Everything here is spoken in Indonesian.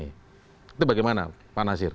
itu bagaimana pak nasir